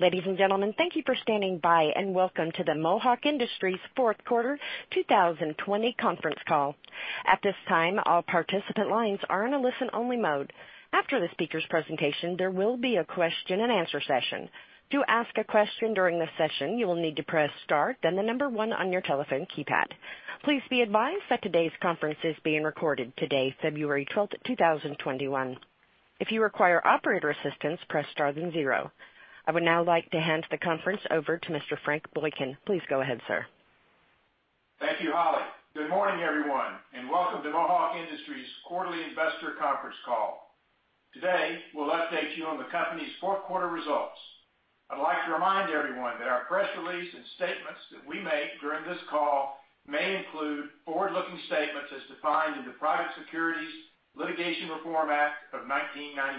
Ladies and gentlemen, thank you for standing by, and welcome to the Mohawk Industries Fourth Quarter 2020 Conference Call. At this time, all participant lines are in a listen-only mode. After the speakers' presentation, there will be a question and answer session. To ask a question during this session, you will need to press star, then the number one on your telephone keypad. Please be advised that today's conference is being recorded. Today, February 12th, 2021. If you require operator assistance, press star then zero. I would now like to hand the conference over to Mr. Frank Boykin. Please go ahead, sir. Thank you, Holly. Good morning, everyone, and welcome to Mohawk Industries quarterly investor conference call. Today, we'll update you on the company's fourth quarter results. I'd like to remind everyone that our press release and statements that we make during this call may include forward-looking statements as defined in the Private Securities Litigation Reform Act of 1995,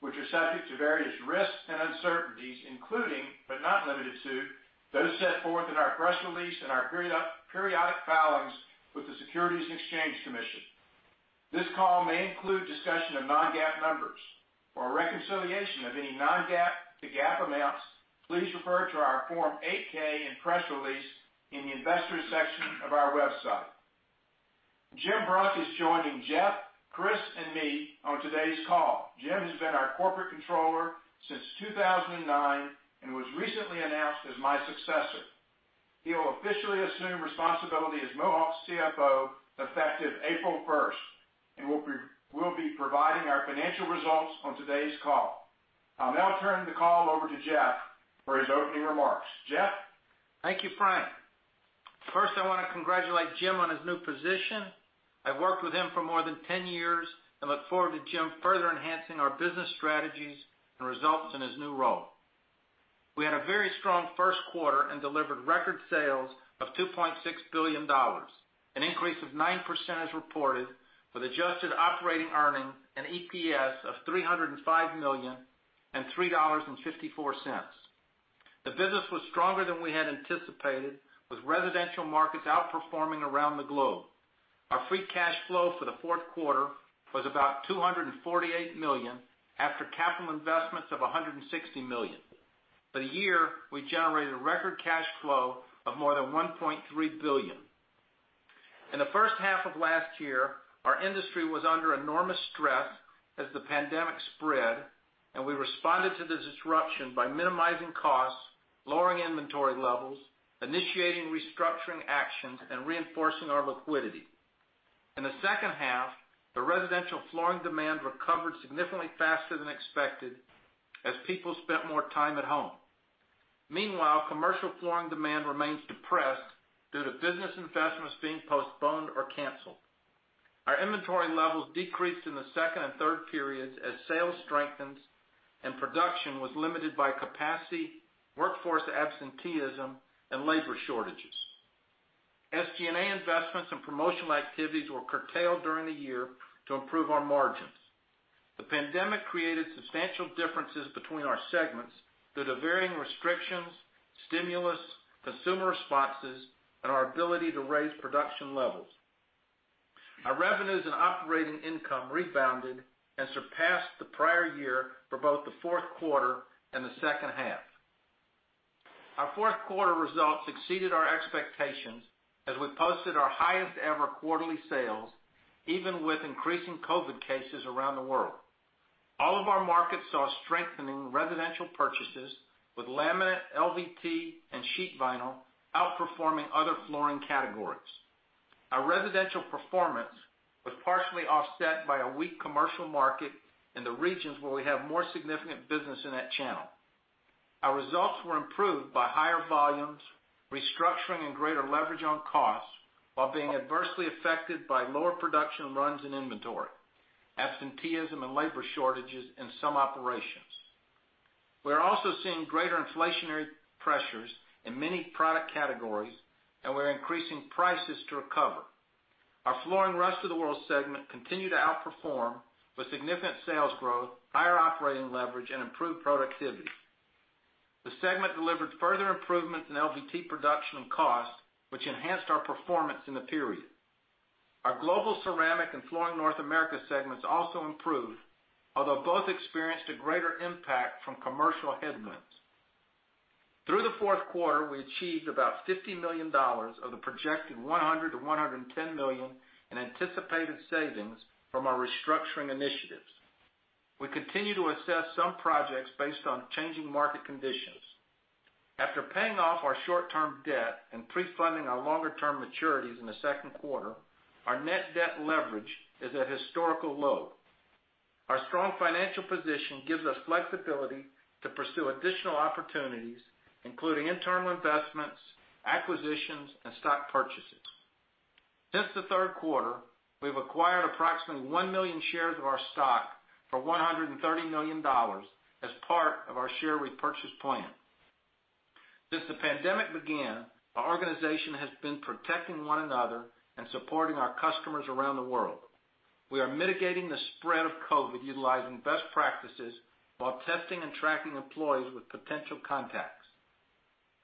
which are subject to various risks and uncertainties, including, but not limited to, those set forth in our press release and our periodic filings with the Securities and Exchange Commission. This call may include discussion of non-GAAP numbers. For a reconciliation of any non-GAAP to GAAP amounts, please refer to our Form 8-K and press release in the Investors section of our website. Jim Brunk is joining Jeff, Chris, and me on today's call. Jim has been our Corporate Controller since 2009 and was recently announced as my successor. He will officially assume responsibility as Mohawk's CFO effective April 1st, and will be providing our financial results on today's call. I'll now turn the call over to Jeff for his opening remarks. Jeff? Thank you, Frank. First, I want to congratulate Jim on his new position. I've worked with him for more than 10 years and look forward to Jim further enhancing our business strategies and results in his new role. We had a very strong first quarter and delivered record sales of $2.6 billion, an increase of 9% as reported with adjusted operating earnings and EPS of $305 million and $3.54. The business was stronger than we had anticipated, with residential markets outperforming around the globe. Our free cash flow for the fourth quarter was about $248 million after capital investments of $160 million. For the year, we generated a record cash flow of more than $1.3 billion. In the first half of last year, our industry was under enormous stress as the pandemic spread, and we responded to the disruption by minimizing costs, lowering inventory levels, initiating restructuring actions, and reinforcing our liquidity. In the second half, the residential flooring demand recovered significantly faster than expected as people spent more time at home. Meanwhile, commercial flooring demand remains depressed due to business investments being postponed or canceled. Our inventory levels decreased in the second and third periods as sales strengthened and production was limited by capacity, workforce absenteeism, and labor shortages. SG&A investments and promotional activities were curtailed during the year to improve our margins. The pandemic created substantial differences between our segments due to varying restrictions, stimulus, consumer responses, and our ability to raise production levels. Our revenues and operating income rebounded and surpassed the prior year for both the fourth quarter and the second half. Our fourth quarter results exceeded our expectations as we posted our highest-ever quarterly sales, even with increasing COVID cases around the world. All of our markets saw strengthening residential purchases with laminate, LVT, and sheet vinyl outperforming other flooring categories. Our residential performance was partially offset by a weak commercial market in the regions where we have more significant business in that channel. Our results were improved by higher volumes, restructuring, and greater leverage on costs while being adversely affected by lower production runs and inventory, absenteeism, and labor shortages in some operations. We are also seeing greater inflationary pressures in many product categories, and we're increasing prices to recover. Our Flooring Rest of the World segment continued to outperform with significant sales growth, higher operating leverage, and improved productivity. The segment delivered further improvements in LVT production and cost, which enhanced our performance in the period. Our Global Ceramic and Flooring North America segments also improved, although both experienced a greater impact from commercial headwinds. Through the fourth quarter, we achieved about $50 million of the projected $100 million-$110 million in anticipated savings from our restructuring initiatives. We continue to assess some projects based on changing market conditions. After paying off our short-term debt and pre-funding our longer-term maturities in the second quarter, our net debt leverage is at a historical low. Our strong financial position gives us flexibility to pursue additional opportunities, including internal investments, acquisitions, and stock purchases. Since the third quarter, we've acquired approximately 1 million shares of our stock for $130 million as part of our share repurchase plan. Since the pandemic began, our organization has been protecting one another and supporting our customers around the world. We are mitigating the spread of COVID utilizing best practices while testing and tracking employees with potential contacts.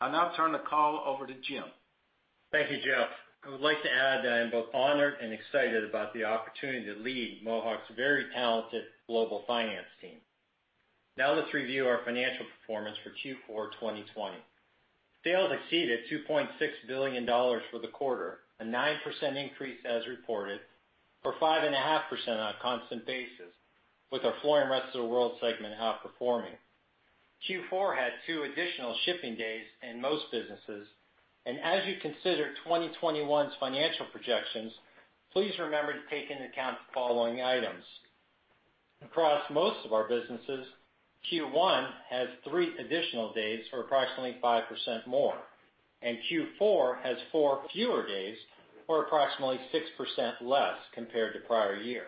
I'll now turn the call over to Jim. Thank you, Jeff. I would like to add that I am both honored and excited about the opportunity to lead Mohawk's very talented global finance team. Now let's review our financial performance for Q4 2020. Sales exceeded $2.6 billion for the quarter, a 9% increase as reported, or 5.5% on a constant basis, with our Flooring Rest of the World segment outperforming. Q4 had two additional shipping days in most businesses, and as you consider 2021's financial projections, please remember to take into account the following items. Across most of our businesses, Q1 has three additional days or approximately 5% more, and Q4 has four fewer days or approximately 6% less compared to prior year.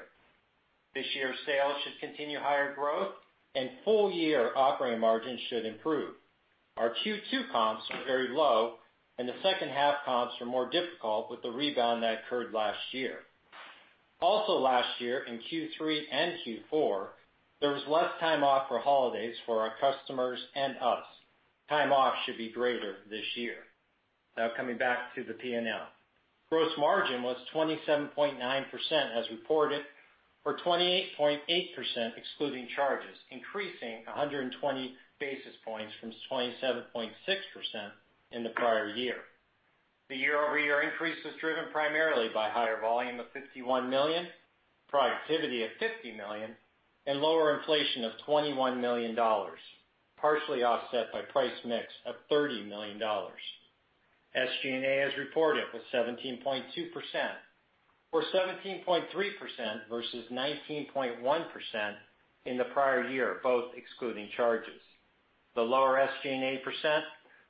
This year's sales should continue higher growth and full-year operating margins should improve. Our Q2 comps are very low, and the second half comps are more difficult with the rebound that occurred last year. Also last year in Q3 and Q4, there was less time off for holidays for our customers and us. Time off should be greater this year. Coming back to the P&L. Gross margin was 27.9% as reported, or 28.8% excluding charges, increasing 120 basis points from 27.6% in the prior year. The year-over-year increase was driven primarily by higher volume of $51 million, productivity of $50 million, and lower inflation of $21 million, partially offset by price mix of $30 million. SG&A, as reported, was 17.2%, or 17.3% versus 19.1% in the prior year, both excluding charges. The lower SG&A percent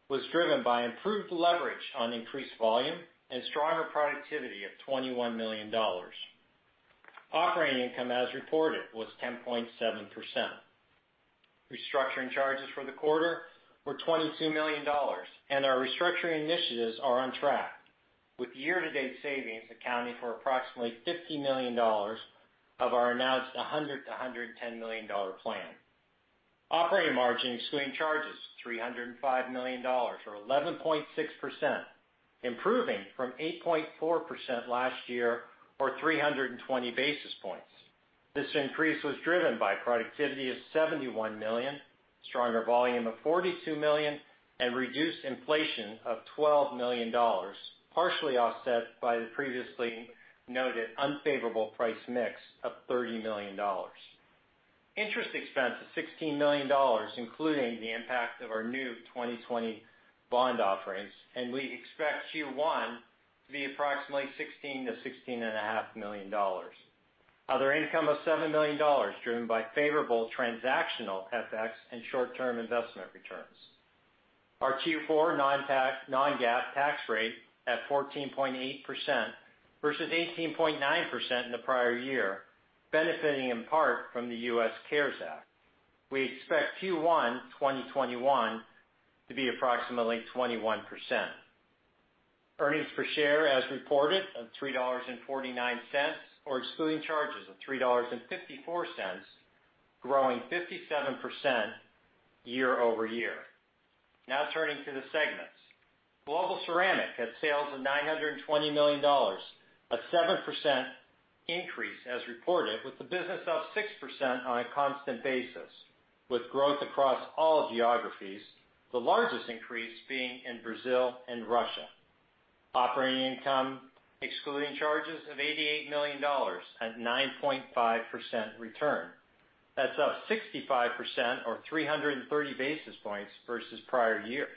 was driven by improved leverage on increased volume and stronger productivity of $21 million. Operating income, as reported, was 10.7%. Restructuring charges for the quarter were $22 million. Our restructuring initiatives are on track, with year-to-date savings accounting for approximately $50 million of our announced $100 million-$110 million plan. Operating margin excluding charges, $305 million or 11.6%, improving from 8.4% last year or 320 basis points. This increase was driven by productivity of $71 million, stronger volume of $42 million, and reduced inflation of $12 million, partially offset by the previously noted unfavorable price mix of $30 million. Interest expense of $16 million, including the impact of our new 2020 bond offerings. We expect Q1 to be approximately $16 million-$16.5 million. Other income of $7 million, driven by favorable transactional FX and short-term investment returns. Our Q4 non-GAAP tax rate at 14.8% versus 18.9% in the prior year, benefiting in part from the U.S. CARES Act. We expect Q1 2021 to be approximately 21%. Earnings per share as reported of $3.49, or excluding charges of $3.54, growing 57% year-over-year. Turning to the segments. Global Ceramic had sales of $920 million, a 7% increase as reported, with the business up 6% on a constant basis, with growth across all geographies, the largest increase being in Brazil and Russia. Operating income, excluding charges, of $88 million at 9.5% return. That's up 65% or 330 basis points versus prior year.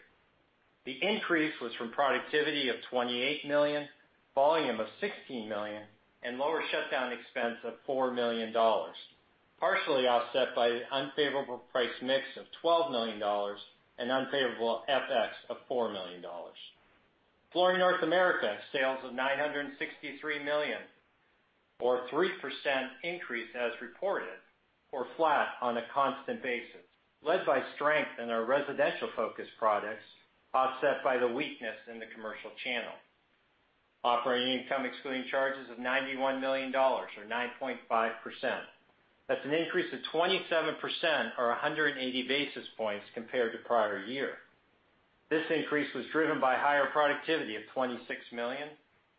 The increase was from productivity of $28 million, volume of $16 million, and lower shutdown expense of $4 million, partially offset by the unfavorable price mix of $12 million and unfavorable FX of $4 million. Flooring North America had sales of $963 million or 3% increase as reported or flat on a constant basis, led by strength in our residential-focused products, offset by the weakness in the commercial channel. Operating income excluding charges of $91 million or 9.5%. That's an increase of 27% or 180 basis points compared to prior year. This increase was driven by higher productivity of $26 million,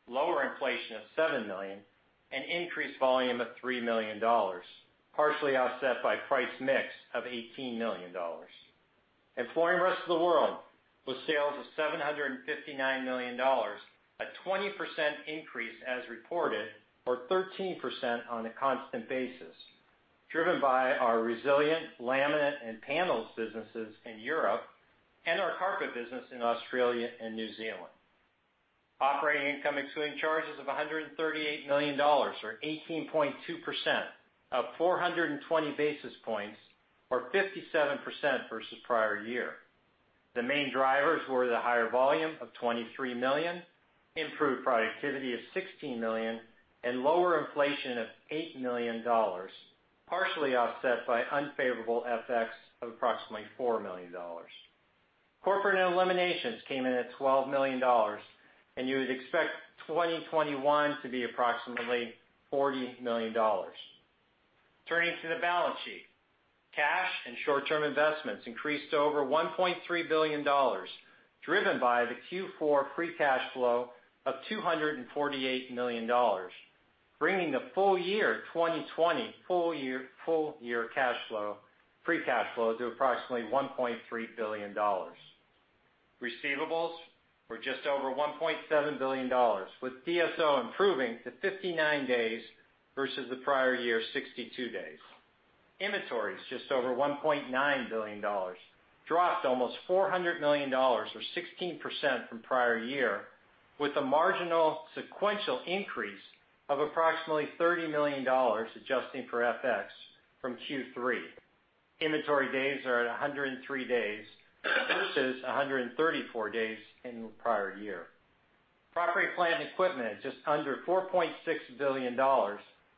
lower inflation of $7 million, and increased volume of $3 million, partially offset by price mix of $18 million. Flooring Rest of the World with sales of $759 million, a 20% increase as reported or 13% on a constant basis, driven by our resilient laminate and panels businesses in Europe and our carpet business in Australia and New Zealand. Operating income excluding charges of $138 million or 18.2%, up 420 basis points or 57% versus prior year. The main drivers were the higher volume of $23 million, improved productivity of $16 million and lower inflation of $8 million, partially offset by unfavorable FX of approximately $4 million. Corporate and eliminations came in at $12 million, and you would expect 2021 to be approximately $40 million. Turning to the balance sheet. Cash and short-term investments increased to over $1.3 billion, driven by the Q4 free cash flow of $248 million, bringing the full year 2020 free cash flow to approximately $1.3 billion. Receivables were just over $1.7 billion, with DSO improving to 59 days versus the prior year, 62 days. Inventories just over $1.9 billion, dropped almost $400 million, or 16% from prior year, with a marginal sequential increase of approximately $30 million, adjusting for FX, from Q3. Inventory days are at 103 days versus 134 days in the prior year. Property plant equipment at just under $4.6 billion,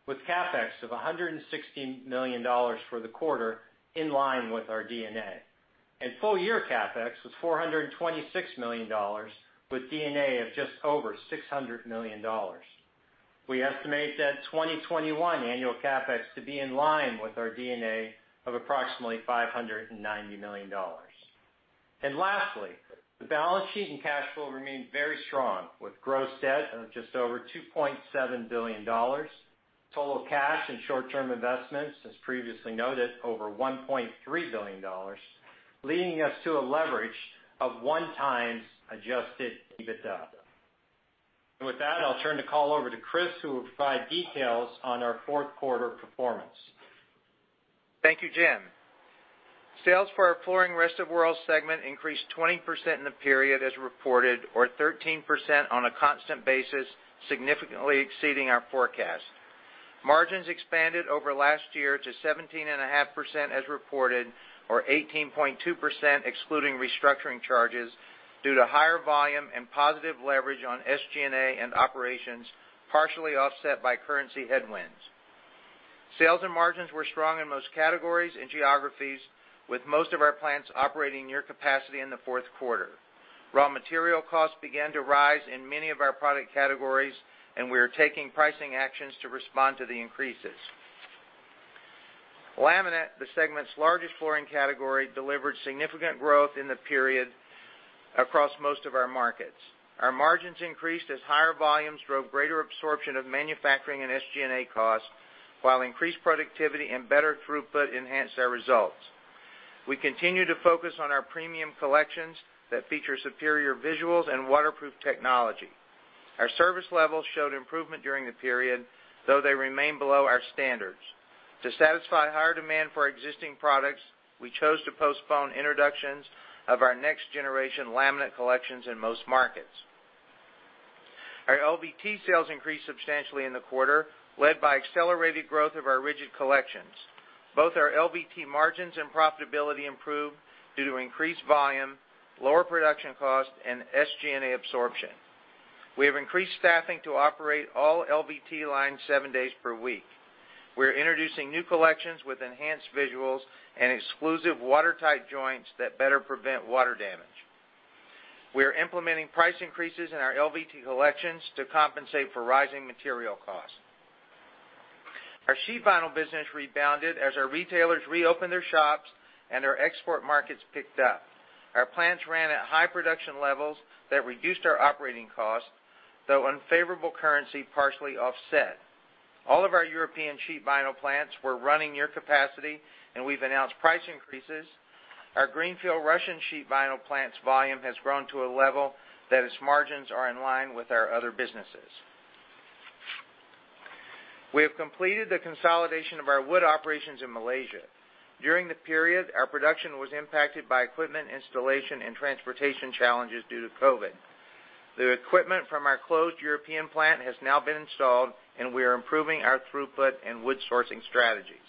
with CapEx of $116 million for the quarter, in line with our D&A. Full-year CapEx was $426 million, with D&A of just over $600 million. We estimate that 2021 annual CapEx to be in line with our D&A of approximately $590 million. Lastly, the balance sheet and cash flow remain very strong, with gross debt of just over $2.7 billion. Total cash and short-term investments, as previously noted, over $1.3 billion, leading us to a leverage of 1x adjusted EBITDA. With that, I'll turn the call over to Chris, who will provide details on our fourth quarter performance. Thank you, Jim. Sales for our Flooring Rest of the World segment increased 20% in the period as reported, or 13% on a constant basis, significantly exceeding our forecast. Margins expanded over last year to 17.5% as reported, or 18.2% excluding restructuring charges due to higher volume and positive leverage on SG&A and operations, partially offset by currency headwinds. Sales and margins were strong in most categories and geographies, with most of our plants operating near capacity in the fourth quarter. Raw material costs began to rise in many of our product categories, and we are taking pricing actions to respond to the increases. Laminate, the segment's largest flooring category, delivered significant growth in the period across most of our markets. Our margins increased as higher volumes drove greater absorption of manufacturing and SG&A costs, while increased productivity and better throughput enhanced our results. We continue to focus on our premium collections that feature superior visuals and waterproof technology. Our service levels showed improvement during the period, though they remain below our standards. To satisfy higher demand for existing products, we chose to postpone introductions of our next-generation laminate collections in most markets. Our LVT sales increased substantially in the quarter, led by accelerated growth of our rigid collections. Both our LVT margins and profitability improved due to increased volume, lower production cost, and SG&A absorption. We have increased staffing to operate all LVT lines seven days per week. We're introducing new collections with enhanced visuals and exclusive watertight joints that better prevent water damage. We are implementing price increases in our LVT collections to compensate for rising material costs. Our sheet vinyl business rebounded as our retailers reopened their shops and our export markets picked up. Our plants ran at high production levels that reduced our operating costs, though unfavorable currency partially offset. All of our European sheet vinyl plants were running near capacity, and we've announced price increases. Our greenfield Russian sheet vinyl plant's volume has grown to a level that its margins are in line with our other businesses. We have completed the consolidation of our wood operations in Malaysia. During the period, our production was impacted by equipment installation and transportation challenges due to COVID. The equipment from our closed European plant has now been installed, and we are improving our throughput and wood sourcing strategies.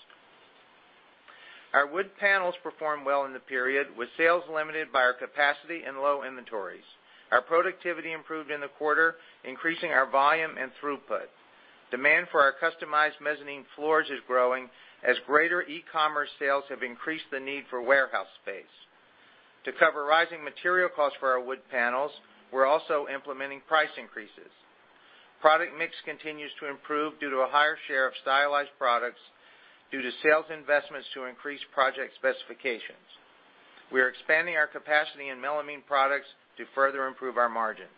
Our wood panels performed well in the period, with sales limited by our capacity and low inventories. Our productivity improved in the quarter, increasing our volume and throughput. Demand for our customized mezzanine floors is growing as greater e-commerce sales have increased the need for warehouse space. To cover rising material costs for our wood panels, we're also implementing price increases. Product mix continues to improve due to a higher share of stylized products due to sales investments to increase project specifications. We are expanding our capacity in melamine products to further improve our margins.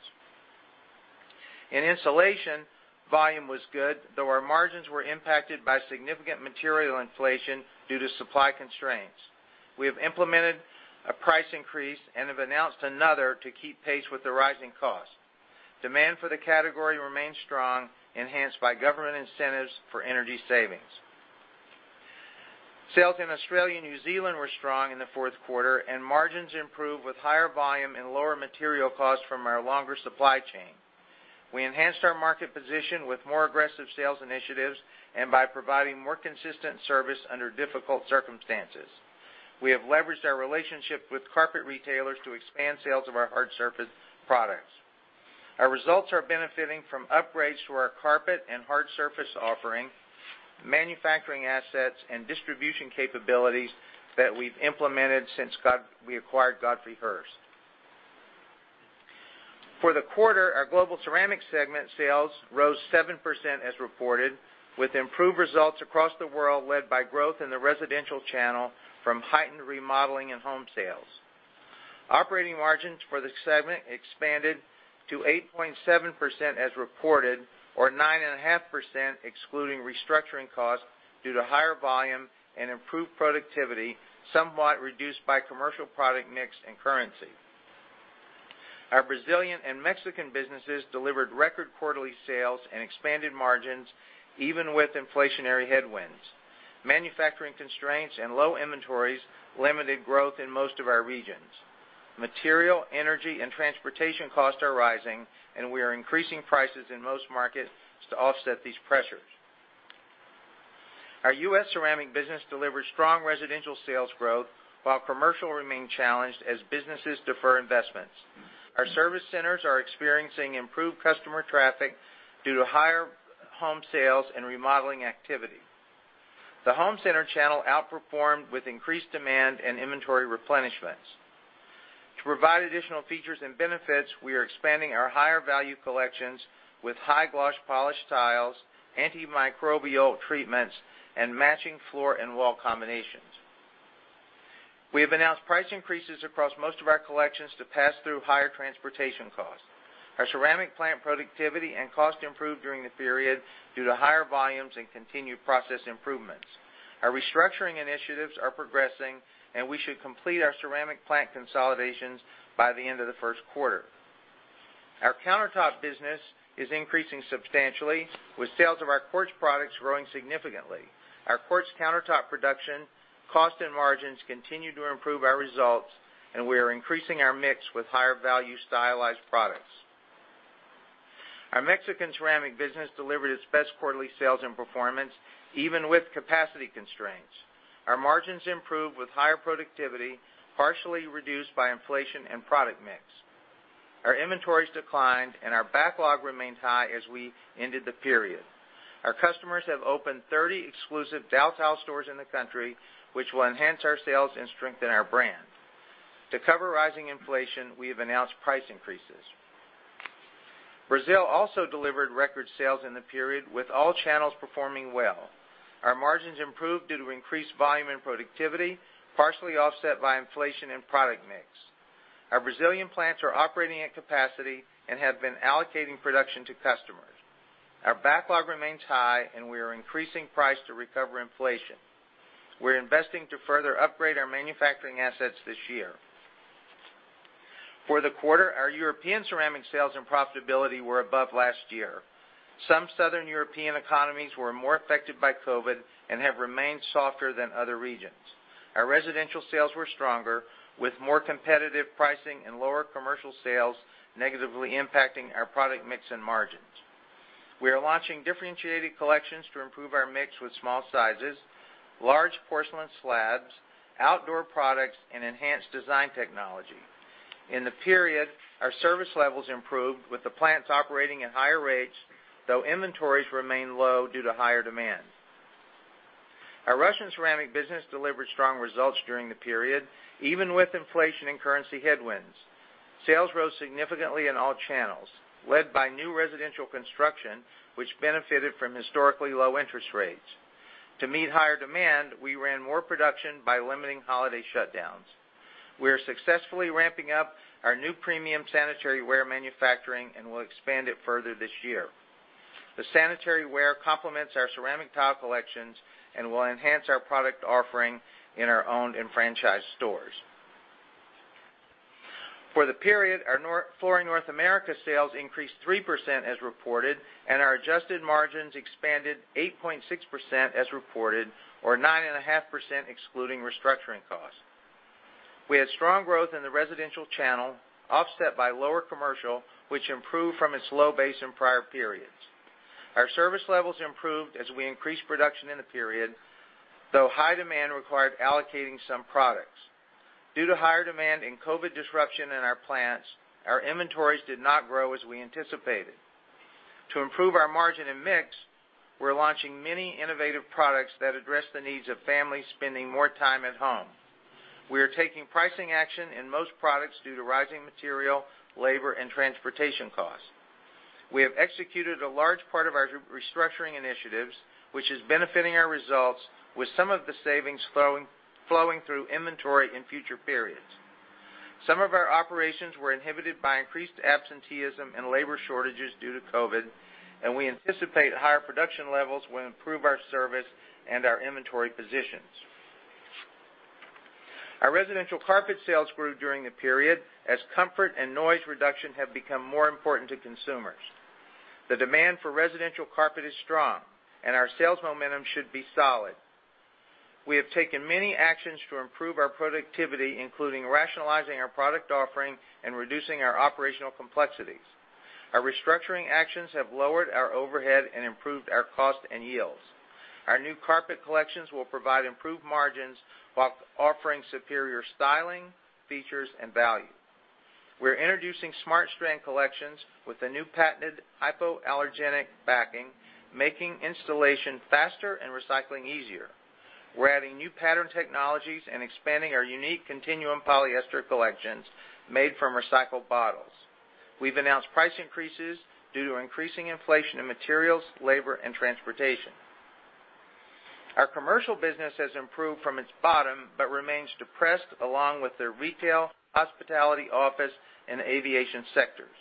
In insulation, volume was good, though our margins were impacted by significant material inflation due to supply constraints. We have implemented a price increase and have announced another to keep pace with the rising cost. Demand for the category remains strong, enhanced by government incentives for energy savings. Sales in Australia and New Zealand were strong in the fourth quarter, and margins improved with higher volume and lower material costs from our longer supply chain. We enhanced our market position with more aggressive sales initiatives and by providing more consistent service under difficult circumstances. We have leveraged our relationship with carpet retailers to expand sales of our hard surface products. Our results are benefiting from upgrades to our carpet and hard surface offering, manufacturing assets, and distribution capabilities that we've implemented since we acquired Godfrey Hirst. For the quarter, our Global Ceramic segment sales rose 7% as reported, with improved results across the world, led by growth in the residential channel from heightened remodeling and home sales. Operating margins for the segment expanded to 8.7% as reported, or 9.5% excluding restructuring costs, due to higher volume and improved productivity, somewhat reduced by commercial product mix and currency. Our Brazilian and Mexican businesses delivered record quarterly sales and expanded margins, even with inflationary headwinds. Manufacturing constraints and low inventories limited growth in most of our regions. Material, energy, and transportation costs are rising, and we are increasing prices in most markets to offset these pressures. Our U.S. ceramic business delivered strong residential sales growth while commercial remained challenged as businesses defer investments. Our service centers are experiencing improved customer traffic due to higher home sales and remodeling activity. The home center channel outperformed with increased demand and inventory replenishments. To provide additional features and benefits, we are expanding our higher value collections with high gloss polished tiles, antimicrobial treatments, and matching floor and wall combinations. We have announced price increases across most of our collections to pass through higher transportation costs. Our ceramic plant productivity and cost improved during the period due to higher volumes and continued process improvements. Our restructuring initiatives are progressing, and we should complete our ceramic plant consolidations by the end of the first quarter. Our countertop business is increasing substantially, with sales of our quartz products growing significantly. Our quartz countertop production cost and margins continue to improve our results, and we are increasing our mix with higher value stylized products. Our Mexican ceramic business delivered its best quarterly sales and performance, even with capacity constraints. Our margins improved with higher productivity, partially reduced by inflation and product mix. Our inventories declined, and our backlog remained high as we ended the period. Our customers have opened 30 exclusive Daltile stores in the country, which will enhance our sales and strengthen our brand. To cover rising inflation, we have announced price increases. Brazil also delivered record sales in the period, with all channels performing well. Our margins improved due to increased volume and productivity, partially offset by inflation and product mix. Our Brazilian plants are operating at capacity and have been allocating production to customers. Our backlog remains high, and we are increasing price to recover inflation. We're investing to further upgrade our manufacturing assets this year. For the quarter, our European ceramic sales and profitability were above last year. Some southern European economies were more affected by COVID and have remained softer than other regions. Our residential sales were stronger, with more competitive pricing and lower commercial sales negatively impacting our product mix and margins. We are launching differentiated collections to improve our mix with small sizes, large porcelain slabs, outdoor products, and enhanced design technology. In the period, our service levels improved with the plants operating at higher rates, though inventories remain low due to higher demand. Our Russian ceramic business delivered strong results during the period, even with inflation and currency headwinds. Sales rose significantly in all channels, led by new residential construction, which benefited from historically low interest rates. To meet higher demand, we ran more production by limiting holiday shutdowns. We are successfully ramping up our new premium sanitary ware manufacturing and will expand it further this year. The sanitary ware complements our ceramic tile collections and will enhance our product offering in our owned and franchised stores. For the period, our Flooring North America sales increased 3% as reported, and our adjusted margins expanded 8.6% as reported, or 9.5% excluding restructuring costs. We had strong growth in the residential channel, offset by lower commercial, which improved from its low base in prior periods. Our service levels improved as we increased production in the period, though high demand required allocating some products. Due to higher demand and COVID disruption in our plants, our inventories did not grow as we anticipated. To improve our margin and mix, we're launching many innovative products that address the needs of families spending more time at home. We are taking pricing action in most products due to rising material, labor, and transportation costs. We have executed a large part of our restructuring initiatives, which is benefiting our results with some of the savings flowing through inventory in future periods. Some of our operations were inhibited by increased absenteeism and labor shortages due to COVID, and we anticipate higher production levels will improve our service and our inventory positions. Our residential carpet sales grew during the period as comfort and noise reduction have become more important to consumers. The demand for residential carpet is strong, and our sales momentum should be solid. We have taken many actions to improve our productivity, including rationalizing our product offering and reducing our operational complexities. Our restructuring actions have lowered our overhead and improved our cost and yields. Our new carpet collections will provide improved margins while offering superior styling, features, and value. We're introducing SmartStrand collections with a new patented hypoallergenic backing, making installation faster and recycling easier. We're adding new pattern technologies and expanding our unique Continuum polyester collections made from recycled bottles. We've announced price increases due to increasing inflation in materials, labor, and transportation. Our commercial business has improved from its bottom, but remains depressed along with the retail, hospitality, office, and aviation sectors.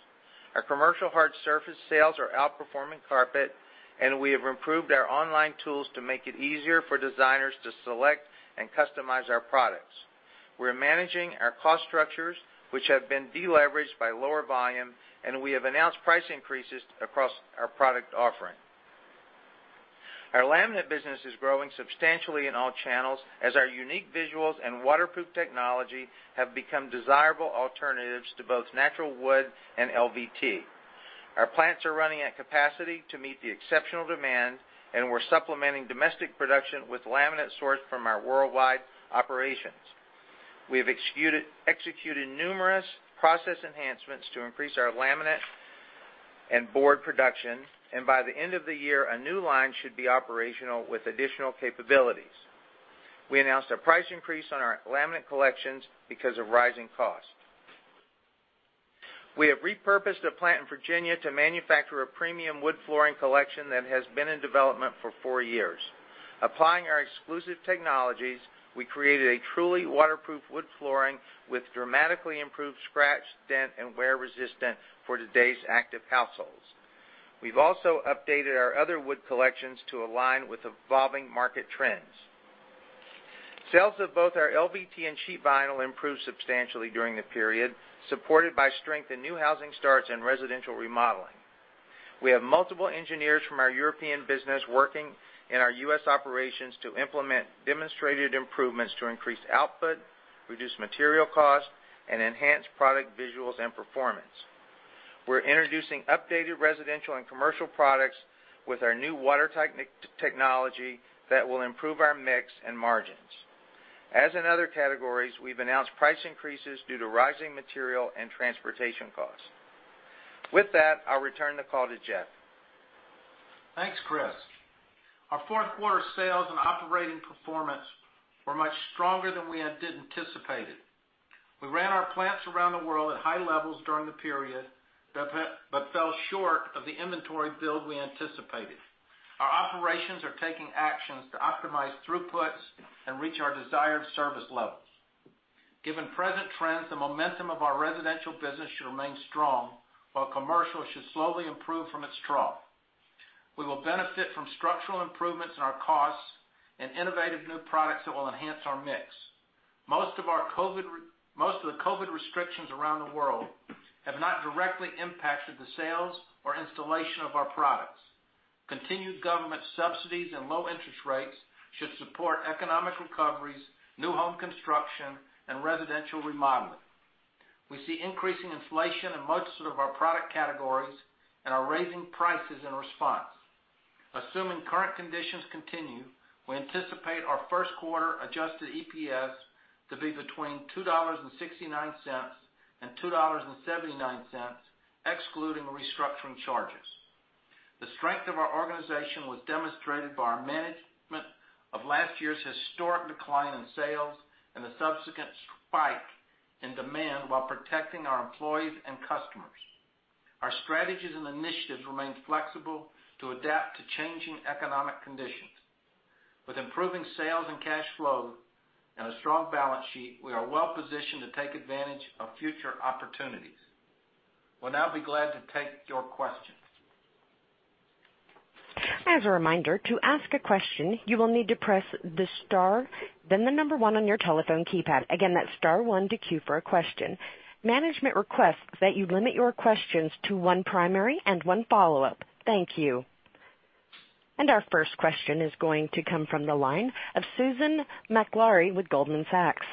Our commercial hard surface sales are outperforming carpet, and we have improved our online tools to make it easier for designers to select and customize our products. We're managing our cost structures, which have been de-leveraged by lower volume, and we have announced price increases across our product offering. Our laminate business is growing substantially in all channels as our unique visuals and waterproof technology have become desirable alternatives to both natural wood and LVT. We're supplementing domestic production with laminate sourced from our worldwide operations. We have executed numerous process enhancements to increase our laminate and board production. By the end of the year, a new line should be operational with additional capabilities. We announced a price increase on our laminate collections because of rising costs. We have repurposed a plant in Virginia to manufacture a premium wood flooring collection that has been in development for four years. Applying our exclusive technologies, we created a truly waterproof wood flooring with dramatically improved scratch, dent, and wear resistance for today's active households. We've also updated our other wood collections to align with evolving market trends. Sales of both our LVT and sheet vinyl improved substantially during the period, supported by strength in new housing starts and residential remodeling. We have multiple engineers from our European business working in our U.S. operations to implement demonstrated improvements to increase output, reduce material cost, and enhance product visuals and performance. We're introducing updated residential and commercial products with our new water technology that will improve our mix and margins. As in other categories, we've announced price increases due to rising material and transportation costs. With that, I'll return the call to Jeff. Thanks, Chris. Our fourth quarter sales and operating performance were much stronger than we had anticipated. We ran our plants around the world at high levels during the period, but fell short of the inventory build we anticipated. Our operations are taking actions to optimize throughputs and reach our desired service levels. Given present trends, the momentum of our residential business should remain strong, while commercial should slowly improve from its trough. We will benefit from structural improvements in our costs and innovative new products that will enhance our mix. Most of the COVID restrictions around the world have not directly impacted the sales or installation of our products. Continued government subsidies and low interest rates should support economic recoveries, new home construction, and residential remodeling. We see increasing inflation in most of our product categories and are raising prices in response. Assuming current conditions continue, we anticipate our first quarter adjusted EPS to be between $2.69 and $2.79, excluding restructuring charges. The strength of our organization was demonstrated by our management of last year's historic decline in sales and the subsequent spike in demand while protecting our employees and customers. Our strategies and initiatives remain flexible to adapt to changing economic conditions. With improving sales and cash flow and a strong balance sheet, we are well-positioned to take advantage of future opportunities. We'll now be glad to take your questions. As a reminder, to ask a question, you will need to press the star, then the number one on your telephone keypad. Again, that's star one to queue for a question. Management requests that you limit your questions to one primary and one follow-up. Thank you. Our first question is going to come from the line of Susan Maklari with Goldman Sachs.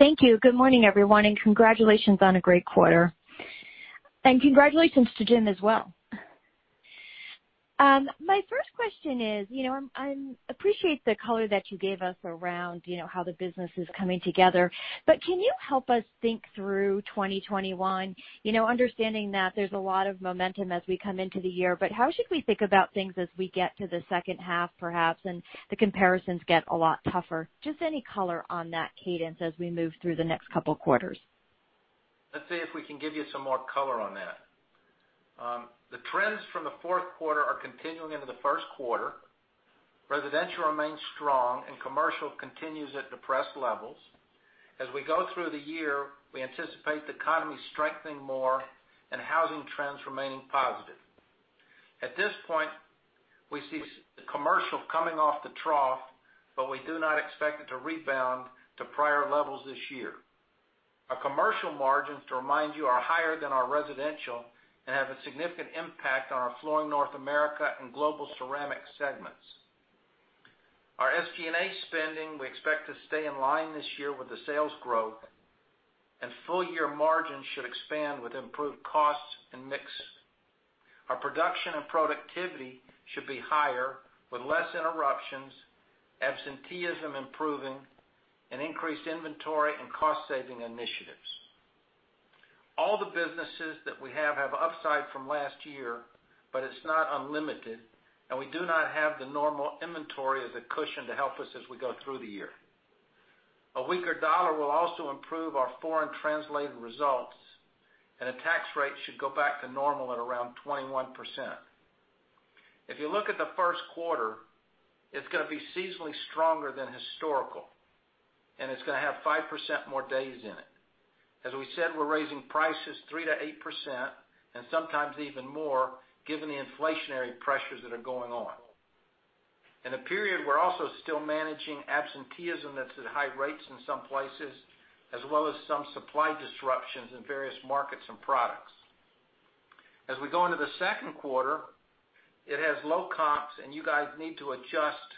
Thank you. Good morning, everyone, congratulations on a great quarter. Congratulations to Jim as well. My first question is, I appreciate the color that you gave us around how the business is coming together. Can you help us think through 2021? Understanding that there's a lot of momentum as we come into the year, but how should we think about things as we get to the second half perhaps, and the comparisons get a lot tougher? Just any color on that cadence as we move through the next couple quarters. Let's see if we can give you some more color on that. The trends from the fourth quarter are continuing into the first quarter. Residential remains strong, and commercial continues at depressed levels. As we go through the year, we anticipate the economy strengthening more and housing trends remaining positive. At this point, we see commercial coming off the trough, but we do not expect it to rebound to prior levels this year. Our commercial margins, to remind you, are higher than our residential and have a significant impact on our Flooring North America and Global Ceramic segments. Our SG&A spending, we expect to stay in line this year with the sales growth, and full-year margins should expand with improved costs and mix. Our production and productivity should be higher with less interruptions, absenteeism improving, and increased inventory and cost-saving initiatives. All the businesses that we have upside from last year, but it's not unlimited, and we do not have the normal inventory as a cushion to help us as we go through the year. A weaker dollar will also improve our foreign translated results, and a tax rate should go back to normal at around 21%. If you look at the first quarter, it's going to be seasonally stronger than historical, and it's going to have 5% more days in it. As we said, we're raising prices 3%-8%, and sometimes even more, given the inflationary pressures that are going on. In the period, we're also still managing absenteeism that's at high rates in some places, as well as some supply disruptions in various markets and products. As we go into the second quarter, it has low comps, you guys need to adjust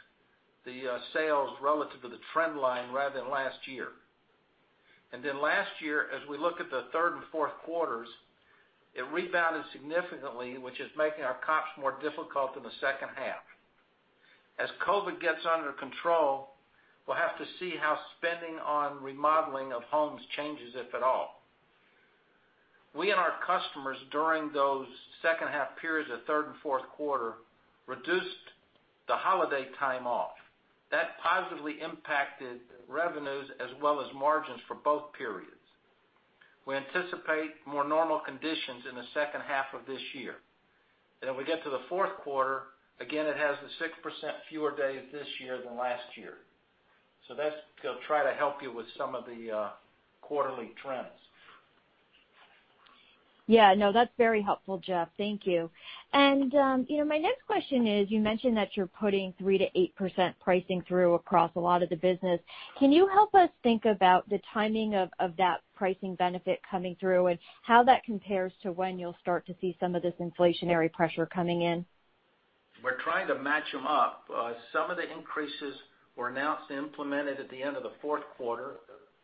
the sales relative to the trend line rather than last year. Last year, as we look at the third and fourth quarters, it rebounded significantly, which is making our comps more difficult in the second half. As COVID gets under control, we'll have to see how spending on remodeling of homes changes, if at all. We and our customers during those second half periods of third and fourth quarter, reduced the holiday time off. That positively impacted revenues as well as margins for both periods. We anticipate more normal conditions in the second half of this year. If we get to the fourth quarter, again, it has the 6% fewer days this year than last year. That's to try to help you with some of the quarterly trends. Yeah, no, that's very helpful, Jeff. Thank you. My next question is, you mentioned that you're putting 3%-8% pricing through across a lot of the business. Can you help us think about the timing of that pricing benefit coming through, and how that compares to when you'll start to see some of this inflationary pressure coming in? We're trying to match them up. Some of the increases were announced and implemented at the end of the fourth quarter.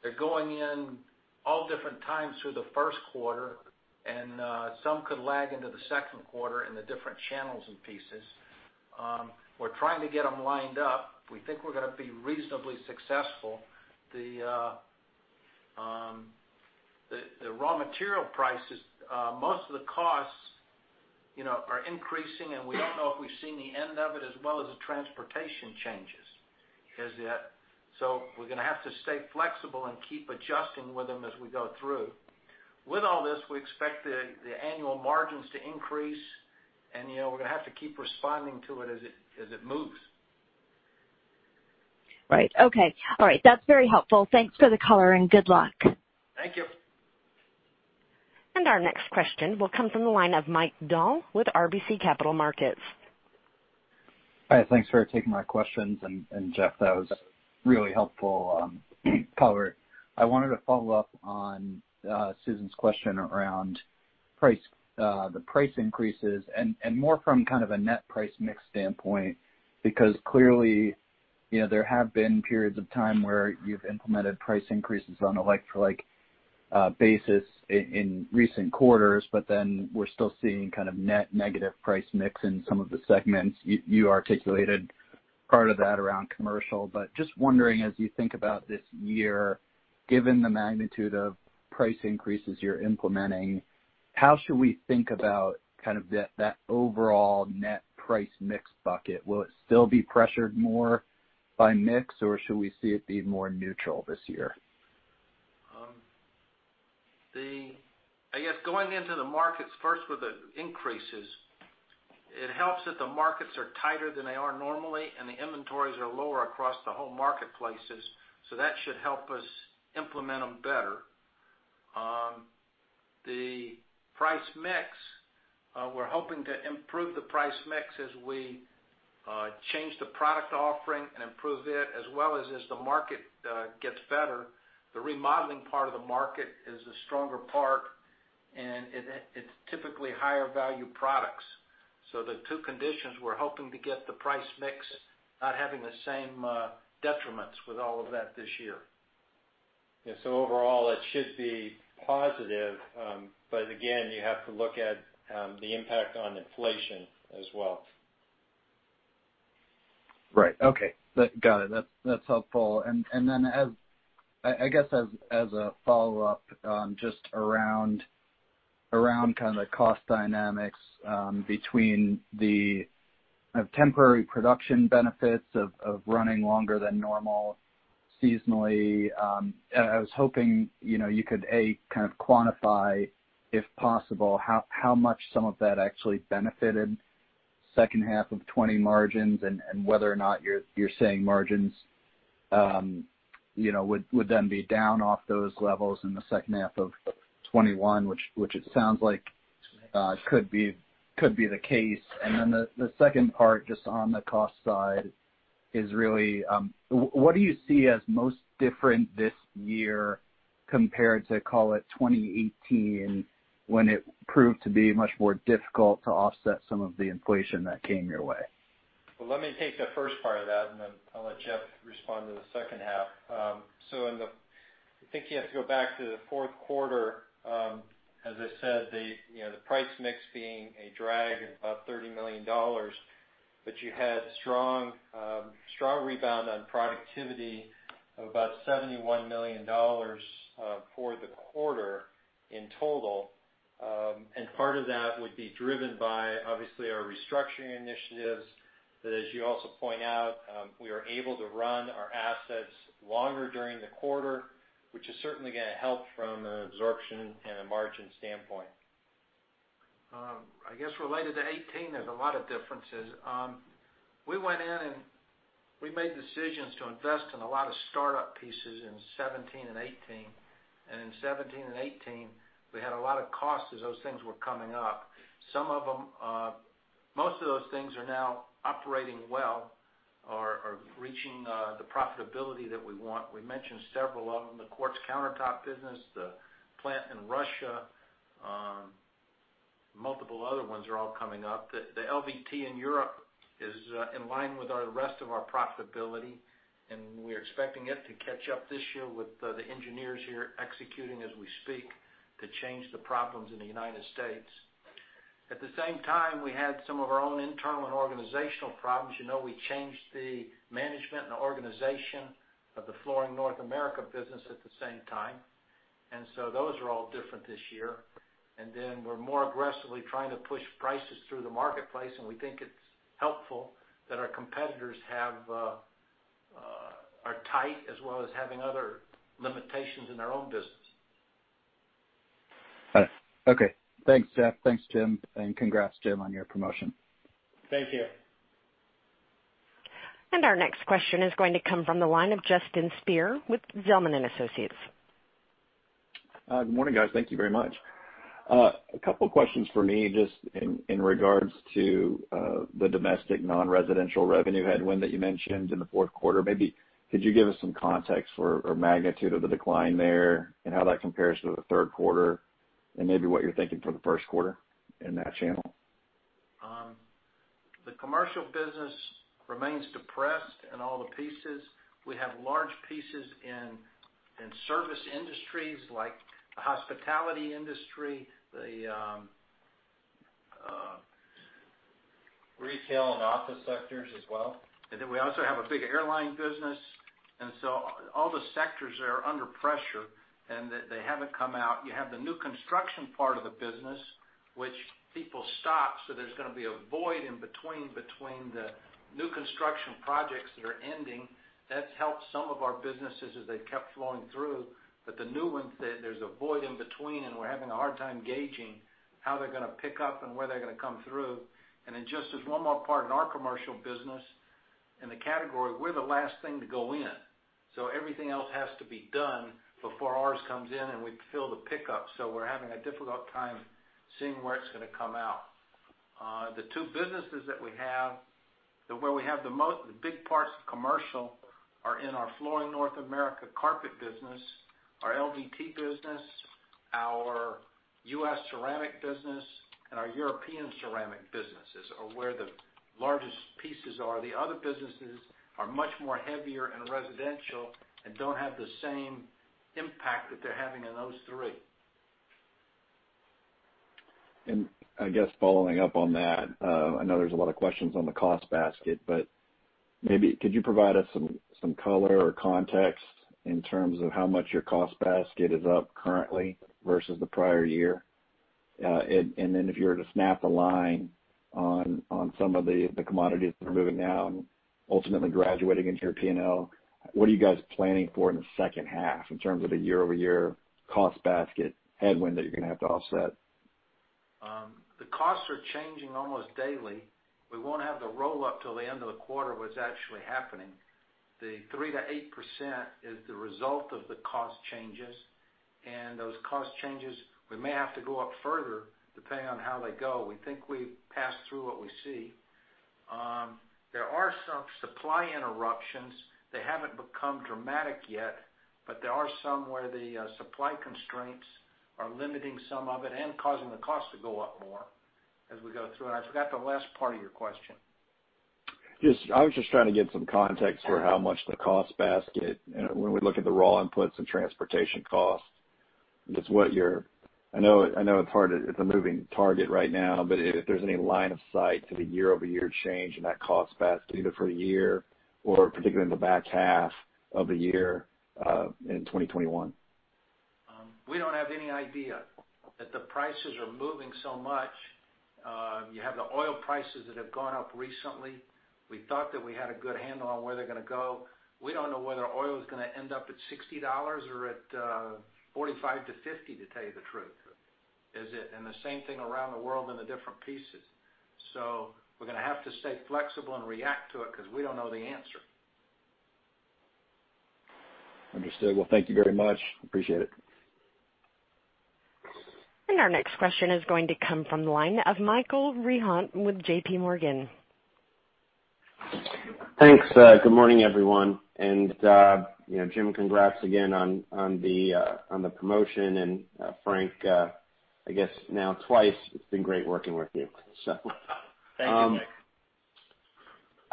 They're going in all different times through the first quarter, and some could lag into the second quarter in the different channels and pieces. We're trying to get them lined up. We think we're going to be reasonably successful. The raw material prices, most of the costs are increasing, and we don't know if we've seen the end of it, as well as the transportation changes. We're going to have to stay flexible and keep adjusting with them as we go through. With all this, we expect the annual margins to increase, and we're going to have to keep responding to it as it moves. Right. Okay. All right. That's very helpful. Thanks for the color, and good luck. Thank you. Our next question will come from the line of Mike Dahl with RBC Capital Markets. Hi. Thanks for taking my questions. Jeff, that was a really helpful color. I wanted to follow up on Susan's question around the price increases and more from kind of a net price mix standpoint, because clearly, there have been periods of time where you've implemented price increases on a like-for-like basis in recent quarters, we're still seeing kind of net negative price mix in some of the segments. You articulated part of that around commercial. Just wondering, as you think about this year, given the magnitude of price increases you're implementing, how should we think about kind of that overall net price mix bucket? Will it still be pressured more by mix, or should we see it be more neutral this year? I guess going into the markets first with the increases, it helps that the markets are tighter than they are normally, and the inventories are lower across the whole marketplaces. That should help us implement them better. The price mix, we're hoping to improve the price mix as we change the product offering and improve it, as well as the market gets better. The remodeling part of the market is a stronger part, and it's typically higher value products. The two conditions, we're hoping to get the price mix not having the same detriments with all of that this year. Yeah. Overall, it should be positive. Again, you have to look at the impact on inflation as well. Right. Okay. Got it. That's helpful. Then, I guess as a follow-up, just around kind of the cost dynamics between the kind of temporary production benefits of running longer than normal seasonally. I was hoping you could, A, kind of quantify, if possible, how much some of that actually benefited second half of 2020 margins and whether or not you're saying margins would then be down off those levels in the second half of 2021, which it sounds like could be the case. Then the second part, just on the cost side, is really what do you see as most different this year compared to, call it 2018, when it proved to be much more difficult to offset some of the inflation that came your way? Let me take the first part of that. I'll let Jeff respond to the second half. I think you have to go back to the fourth quarter. As I said, the price mix being a drag of about $30 million. You had strong rebound on productivity of about $71 million for the quarter in total. Part of that would be driven by, obviously, our restructuring initiatives, but as you also point out, we are able to run our assets longer during the quarter, which is certainly going to help from an absorption and a margin standpoint. I guess related to 2018, there's a lot of differences. We went in, and we made decisions to invest in a lot of startup pieces in 2017 and 2018. And in 2017 and 2018, we had a lot of costs as those things were coming up. Most of those things are now operating well or are reaching the profitability that we want. We mentioned several of them, the quartz countertop business, the plant in Russia, multiple other ones are all coming up. The LVT in Europe is in line with our rest of our profitability, and we're expecting it to catch up this year with the engineers here executing as we speak to change the problems in the United States. At the same time, we had some of our own internal and organizational problems. We changed the management and the organization of the Flooring North America business at the same time. Those are all different this year. We're more aggressively trying to push prices through the marketplace, and we think it's helpful that our competitors are tight, as well as having other limitations in their own business. Okay. Thanks, Jeff. Thanks, Jim. Congrats, Jim, on your promotion. Thank you. Our next question is going to come from the line of Justin Speer with Zelman & Associates. Good morning, guys. Thank you very much. A couple of questions from me just in regards to the domestic non-residential revenue headwind that you mentioned in the fourth quarter. Maybe could you give us some context or magnitude of the decline there and how that compares to the third quarter, and maybe what you're thinking for the first quarter in that channel? The commercial business remains depressed in all the pieces. We have large pieces in service industries like the hospitality industry. Retail and office sectors as well. We also have a big airline business. All the sectors are under pressure, and they haven't come out. You have the new construction part of the business, which people stopped, so there's going to be a void in between the new construction projects that are ending. That's helped some of our businesses as they've kept flowing through. The new ones, there's a void in between, and we're having a hard time gauging how they're going to pick up and where they're going to come through. Just as one more part, in our commercial business, in the category, we're the last thing to go in. Everything else has to be done before ours comes in, and we fill the pickup. We're having a difficult time seeing where it's going to come out. The two businesses that we have, where we have the big parts of commercial are in our Flooring North America carpet business, our LVT business, our U.S. ceramic business, and our European ceramic businesses are where the largest pieces are. The other businesses are much more heavier in residential and don't have the same impact that they're having in those three. I guess following up on that, I know there's a lot of questions on the cost basket, but maybe could you provide us some color or context in terms of how much your cost basket is up currently versus the prior year? If you were to snap a line on some of the commodities that are moving now and ultimately graduating into your P&L, what are you guys planning for in the second half in terms of the year-over-year cost basket headwind that you're going to have to offset? The costs are changing almost daily. We won't have the roll-up till the end of the quarter of what's actually happening. The 3%-8% is the result of the cost changes. Those cost changes, we may have to go up further depending on how they go. We think we've passed through what we see. There are some supply interruptions. They haven't become dramatic yet, but there are some where the supply constraints are limiting some of it and causing the cost to go up more as we go through. I forgot the last part of your question. I was just trying to get some context for how much the cost basket when we look at the raw inputs and transportation costs, I know it's a moving target right now, but if there's any line of sight to the year-over-year change in that cost basket, either for the year or particularly in the back half of the year in 2021. We don't have any idea, that the prices are moving so much. You have the oil prices that have gone up recently. We thought that we had a good handle on where they're going to go. We don't know whether oil is going to end up at $60 or at $45-$50, to tell you the truth. The same thing around the world in the different pieces. We're going to have to stay flexible and react to it because we don't know the answer. Understood. Well, thank you very much. Appreciate it. Our next question is going to come from the line of Michael Rehaut with JPMorgan. Thanks. Good morning, everyone. Jim, congrats again on the promotion, and Frank, I guess now twice, it's been great working with you. Thank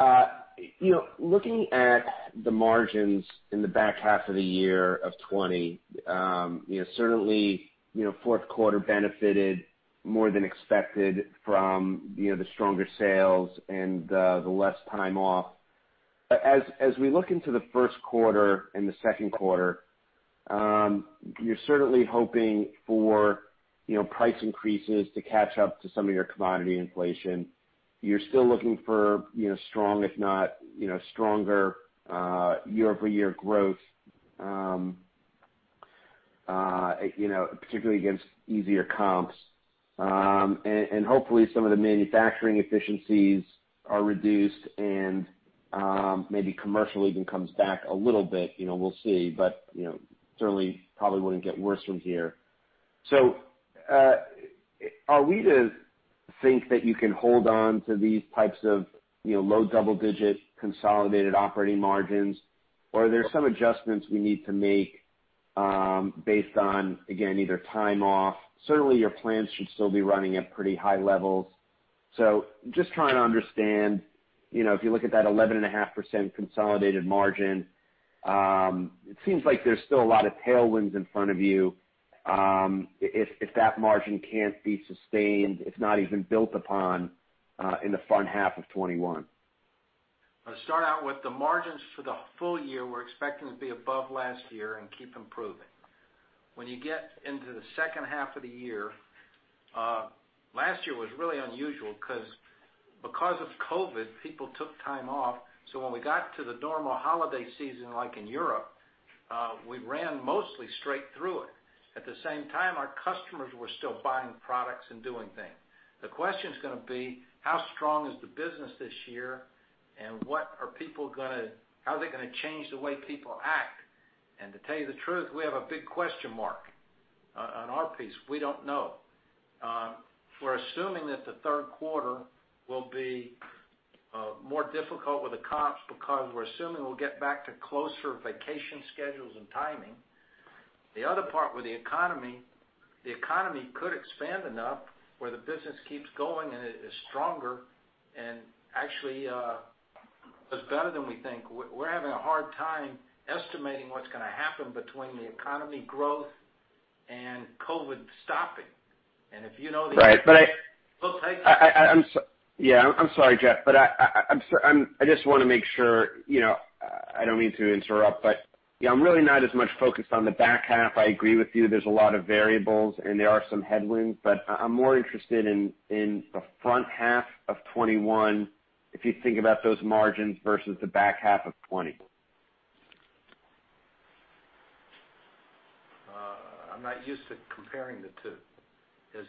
you, Mike. Looking at the margins in the back half of the year of 2020, certainly, fourth quarter benefited more than expected from the stronger sales and the less time off. As we look into the first quarter and the second quarter, you're certainly hoping for price increases to catch up to some of your commodity inflation. You're still looking for strong, if not stronger, year-over-year growth, particularly against easier comps. Hopefully, some of the manufacturing efficiencies are reduced and maybe commercial even comes back a little bit. We'll see, but certainly, probably wouldn't get worse from here. Are we to think that you can hold on to these types of low double-digit consolidated operating margins, or are there some adjustments we need to make based on, again, either time off? Certainly, your plants should still be running at pretty high levels. Just trying to understand, if you look at that 11.5% consolidated margin, it seems like there's still a lot of tailwinds in front of you if that margin can't be sustained, if not even built upon, in the front half of 2021. I'll start out with the margins for the full year, we're expecting to be above last year and keep improving. When you get into the second half of the year, last year was really unusual because of COVID, people took time off, so when we got to the normal holiday season, like in Europe, we ran mostly straight through it. At the same time, our customers were still buying products and doing things. The question's going to be, how strong is the business this year, and how are they going to change the way people act? To tell you the truth, we have a big question mark on our piece. We don't know. We're assuming that the third quarter will be more difficult with the comps because we're assuming we'll get back to closer vacation schedules and timing. The other part with the economy, the economy could expand enough where the business keeps going and it is stronger and actually does better than we think. We're having a hard time estimating what's going to happen between the economy growth and COVID stopping. Right. We'll take it. Yeah, I'm sorry, Jeff. I just want to make sure. I don't mean to interrupt. I'm really not as much focused on the back half. I agree with you, there's a lot of variables, and there are some headwinds, but I'm more interested in the front half of 2021, if you think about those margins versus the back half of 2020. I'm not used to comparing the two. The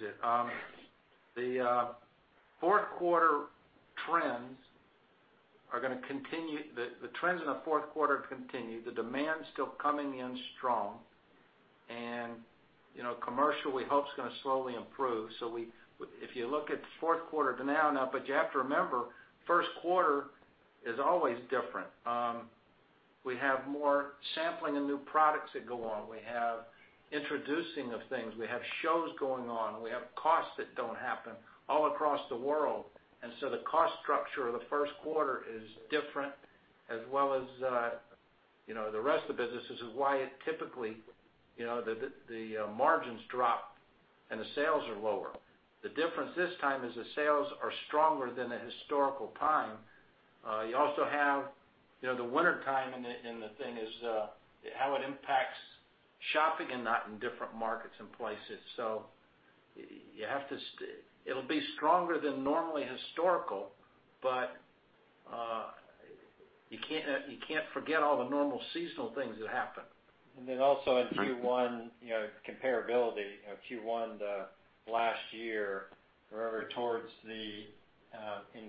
trends in the fourth quarter continue. The demand's still coming in strong. Commercial, we hope, is going to slowly improve. If you look at fourth quarter to now, but you have to remember, first quarter is always different. We have more sampling and new products that go on. We have introducing of things. We have shows going on. We have costs that don't happen all across the world. The cost structure of the first quarter is different as well as the rest of the business. This is why it typically, the margins drop, and the sales are lower. The difference this time is the sales are stronger than a historical time. You also have the winter time, and the thing is how it impacts shopping and not in different markets and places. It'll be stronger than normally historical, but you can't forget all the normal seasonal things that happen. Then also in Q1 comparability, Q1 last year, wherever towards in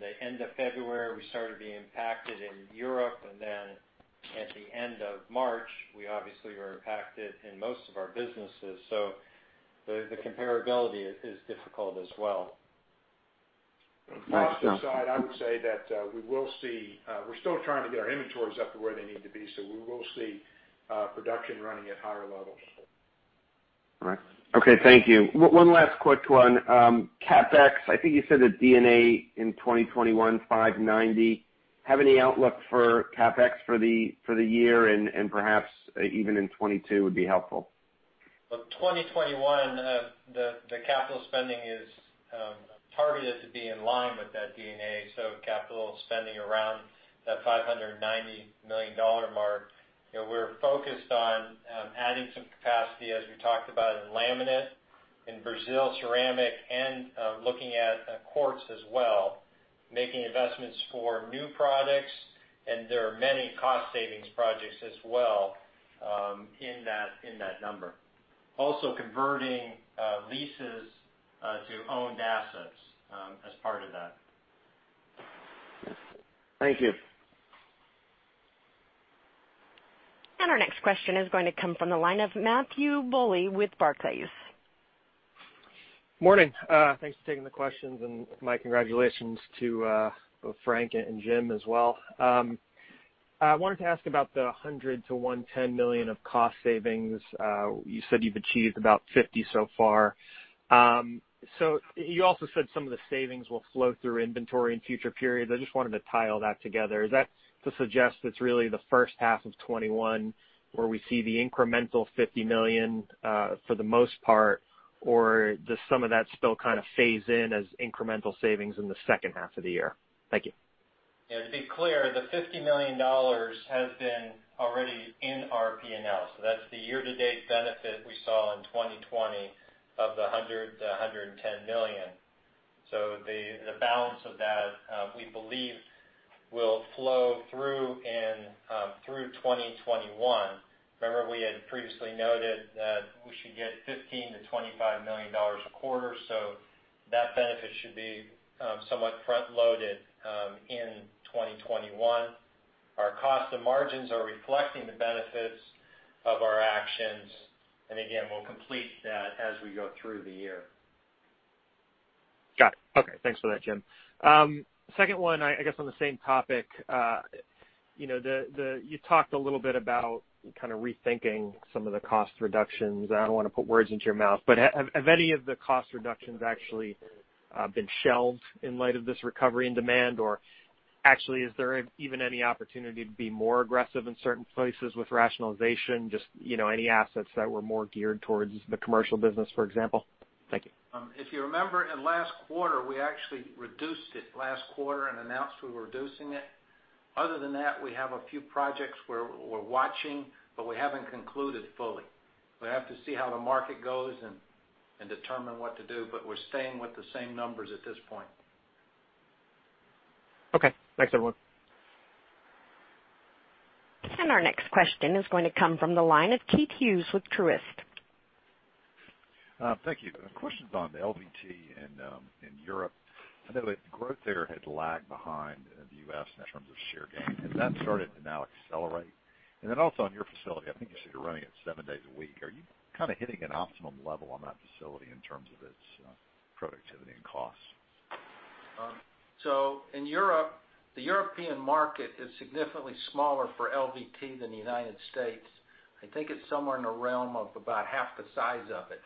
the end of February, we started being impacted in Europe, and then at the end of March, we obviously were impacted in most of our businesses. The comparability is difficult as well. Right. From the cost side, I would say that we're still trying to get our inventories up to where they need to be. We will see production running at higher levels. All right. Okay, thank you. One last quick one. CapEx, I think you said the D&A in 2021, $590 million. Do you have any outlook for CapEx for the year and perhaps even in 2022 would be helpful? Well, 2021, the capital spending is targeted to be in line with that D&A, capital spending around that $590 million mark. We're focused on adding some capacity, as we talked about in laminate, in Brazil ceramic, and looking at quartz as well, making investments for new products, and there are many cost savings projects as well in that number. Also converting leases to owned assets as part of that. Thank you. Our next question is going to come from the line of Matthew Bouley with Barclays. Morning. Thanks for taking the questions, and my congratulations to both Frank and Jim as well. I wanted to ask about the $100 million-$110 million of cost savings. You said you've achieved about $50 million so far. You also said some of the savings will flow through inventory in future periods. I just wanted to tie all that together. Is that to suggest it's really the first half of 2021 where we see the incremental $50 million, for the most part? Or does some of that still kind of phase in as incremental savings in the second half of the year? Thank you. Yeah, to be clear, the $50 million has been already in our P&L. That's the year-to-date benefit we saw in 2020 of the $100 million-$110 million. The balance of that, we believe, will flow through in through 2021. Remember, we had previously noted that we should get $15 million-$25 million a quarter, that benefit should be somewhat front-loaded in 2021. Our cost and margins are reflecting the benefits of our actions, again, we'll complete that as we go through the year. Got it. Okay, thanks for that, Jim. Second one, I guess, on the same topic. You talked a little bit about kind of rethinking some of the cost reductions, and I don't want to put words into your mouth, but have any of the cost reductions actually been shelved in light of this recovery and demand? Or actually, is there even any opportunity to be more aggressive in certain places with rationalization, just any assets that were more geared towards the commercial business, for example? Thank you. If you remember, in last quarter, we actually reduced it last quarter and announced we were reducing it. Other than that, we have a few projects where we're watching, but we haven't concluded fully. We have to see how the market goes and determine what to do, but we're staying with the same numbers at this point. Okay, thanks everyone. Our next question is going to come from the line of Keith Hughes with Truist. Thank you. Question on the LVT in Europe. I know the growth there had lagged behind the U.S. in terms of share gain. Has that started to now accelerate? Then also on your facility, I think you said you're running it seven days a week. Are you kind of hitting an optimum level on that facility in terms of its productivity and costs? In Europe, the European market is significantly smaller for LVT than the United States. I think it's somewhere in the realm of about half the size of it.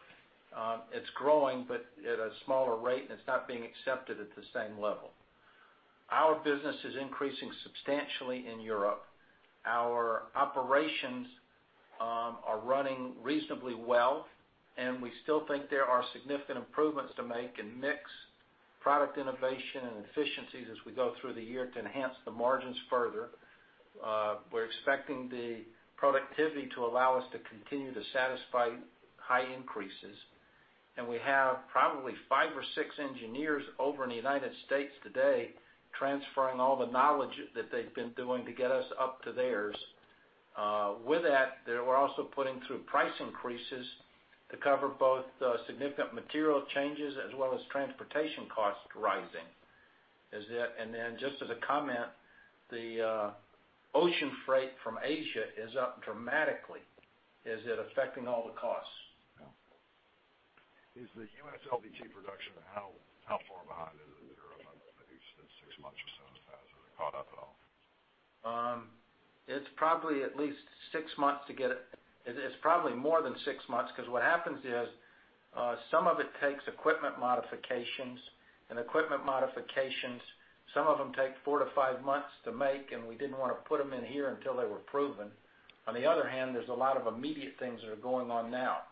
It's growing, but at a smaller rate, and it's not being accepted at the same level. Our business is increasing substantially in Europe. Our operations are running reasonably well, and we still think there are significant improvements to make in mix, product innovation, and efficiencies as we go through the year to enhance the margins further. We're expecting the productivity to allow us to continue to satisfy high increases, and we have probably five or six engineers over in the United States today transferring all the knowledge that they've been doing to get us up to theirs. With that, they were also putting through price increases to cover both the significant material changes as well as transportation cost rising. Just as a comment, the ocean freight from Asia is up dramatically. Is it affecting all the costs? Is the U.S. LVT production, how far behind is it in Europe? Maybe six months or so in the past? Has it caught up at all? It's probably at least six months. It's probably more than six months because what happens is, some of it takes equipment modifications. Equipment modifications, some of them take four to five months to make, and we didn't want to put them in here until they were proven. On the other hand, there's a lot of immediate things that are going on now.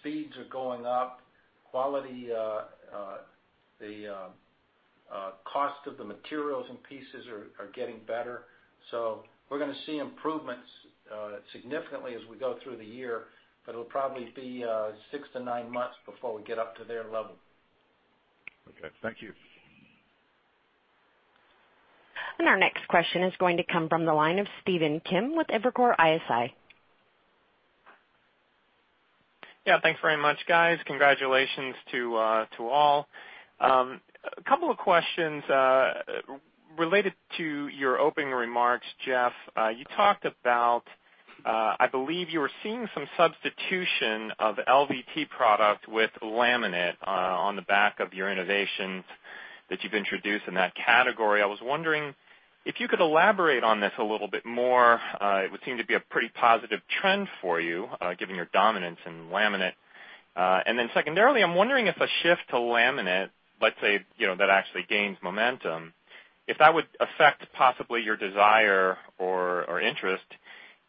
Speeds are going up. Quality, the cost of the materials and pieces are getting better. We're going to see improvements significantly as we go through the year, but it'll probably be six to nine months before we get up to their level. Okay. Thank you. Our next question is going to come from the line of Stephen Kim with Evercore ISI. Yeah, thanks very much, guys. Congratulations to all. A couple of questions related to your opening remarks, Jeff. You talked about, I believe you were seeing some substitution of LVT product with laminate on the back of your innovations that you've introduced in that category. I was wondering if you could elaborate on this a little bit more. It would seem to be a pretty positive trend for you, given your dominance in laminate. Secondarily, I'm wondering if a shift to laminate, let's say, that actually gains momentum, if that would affect possibly your desire or interest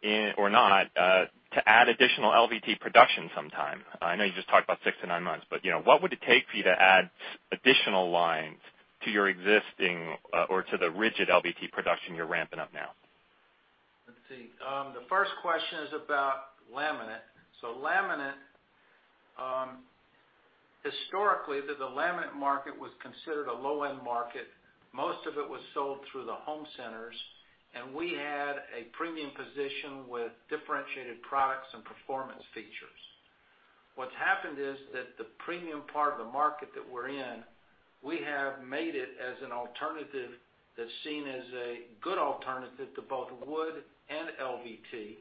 in or not to add additional LVT production sometime. I know you just talked about six to nine months, what would it take for you to add additional lines to your existing or to the rigid LVT production you're ramping up now? Let's see. The first question is about laminate. Laminate, historically, the laminate market was considered a low-end market. Most of it was sold through the home centers, and we had a premium position with differentiated products and performance features. What's happened is that the premium part of the market that we're in, we have made it as an alternative that's seen as a good alternative to both wood and LVT.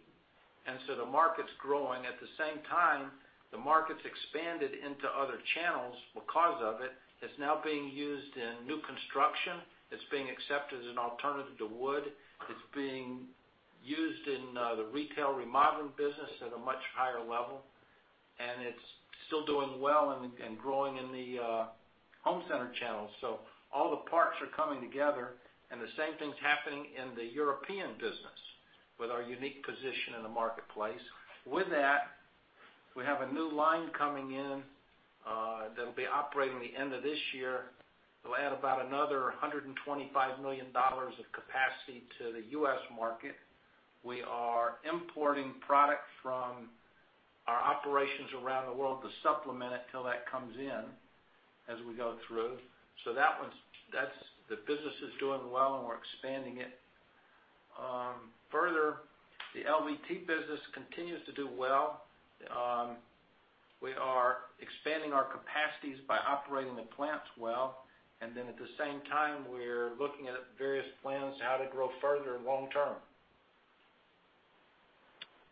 The market's growing. At the same time, the market's expanded into other channels because of it. It's now being used in new construction. It's being accepted as an alternative to wood. It's being used in the retail remodeling business at a much higher level, and it's still doing well and growing in the home center channels. All the parts are coming together, and the same thing's happening in the European business with our unique position in the marketplace. With that, we have a new line coming in that'll be operating the end of this year. It'll add about another $125 million of capacity to the U.S. market. We are importing product from our operations around the world to supplement it till that comes in as we go through. The business is doing well, and we're expanding it. Further, the LVT business continues to do well. We are expanding our capacities by operating the plants well, and then at the same time, we're looking at various plans how to grow further long term.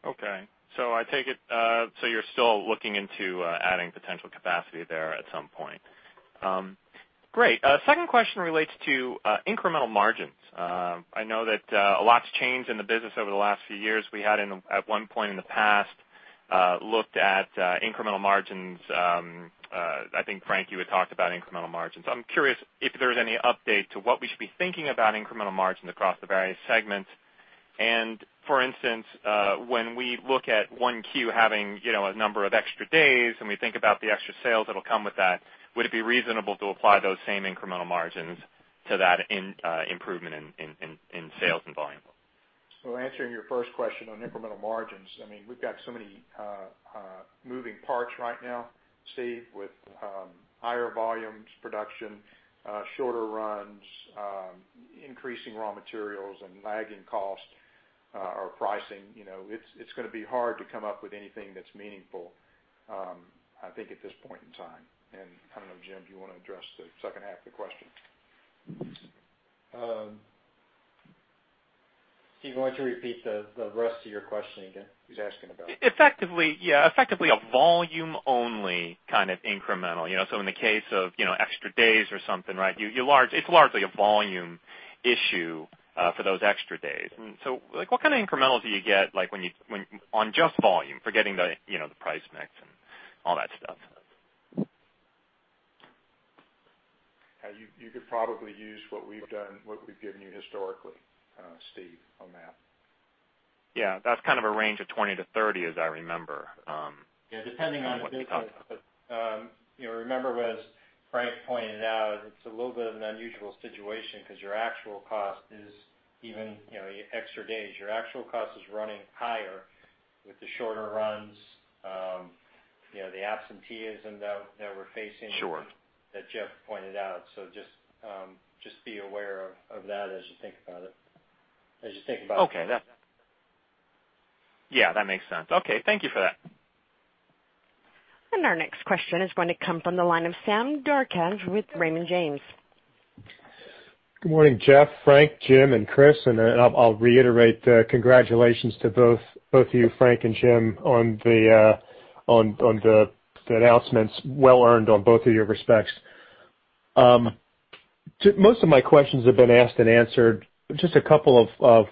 Okay. You're still looking into adding potential capacity there at some point. Great. Second question relates to incremental margins. I know that a lot's changed in the business over the last few years. We had at one point in the past, looked at incremental margins. I think, Frank, you had talked about incremental margins. I'm curious if there's any update to what we should be thinking about incremental margins across the various segments. For instance, when we look at 1Q having a number of extra days, and we think about the extra sales that'll come with that, would it be reasonable to apply those same incremental margins to that improvement in sales and volume? Answering your first question on incremental margins, we've got so many moving parts right now, Steve, with higher volumes, production, shorter runs, increasing raw materials, and lagging cost or pricing. It's going to be hard to come up with anything that's meaningful, I think, at this point in time. I don't know, Jim, do you want to address the second half of the question? Steve, why don't you repeat the rest of your question again? Effectively, yeah. Effectively, a volume only kind of incremental. In the case of extra days or something, right? It's largely a volume issue for those extra days. What kind of incremental do you get on just volume? Forgetting the price mix and all that stuff. You could probably use what we've done, what we've given you historically, Steve, on that. Yeah. That's kind of a range of 20%-30% as I remember. Yeah. Depending on the business. Remember, as Frank pointed out, it's a little bit of an unusual situation because your actual cost is even extra days. Your actual cost is running higher with the shorter runs, the absenteeism that we're facing. Sure. That Jeff pointed out. Just be aware of that as you think about it. As you think about that. Okay. Yeah, that makes sense. Okay, thank you for that. Our next question is going to come from the line of Sam Darkatsh with Raymond James. Good morning, Jeff, Frank, Jim, and Chris. I'll reiterate, congratulations to both of you, Frank and Jim, on the announcements. Well earned on both of your respects. Most of my questions have been asked and answered. Just a couple of